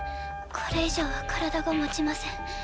これ以上は体が持ちません。